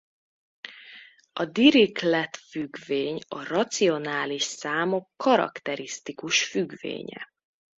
A Dirichlet-függvény a racionális számok karakterisztikus függvénye.